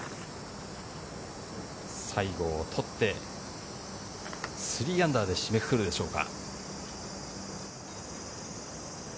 最後をとって３アンダーで締めくくるでしょうか。